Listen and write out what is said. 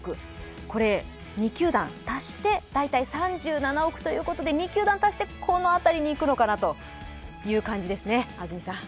これ、２球団足して大体３７億ということで２球団足してこの辺りにいくのかなということですね、安住さん。